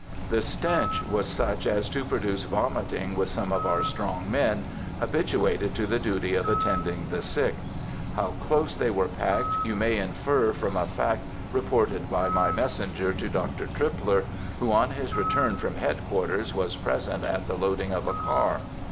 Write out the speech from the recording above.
The stench was such as to produce vomiting with some of our strong men, habituated to the duty of attending the sick. How close they were packed, you may infer from a fact reported by my messenger to Dr. Tripler, who, on his return from Head quarters, was present at the loading of a car.